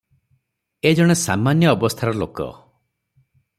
ଏ ଜଣେ ସାମାନ୍ୟ ଅବସ୍ଥାର ଲୋକ ।